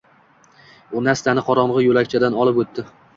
U Nastyani qorongʻi yoʻlakchadan olib oʻtdi.